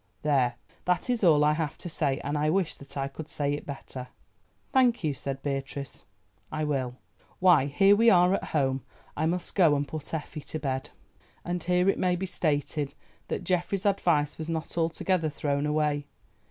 There, that is all I have to say, and I wish that I could say it better." "Thank you," said Beatrice, "I will. Why here we are at home; I must go and put Effie to bed." And here it may be stated that Geoffrey's advice was not altogether thrown away.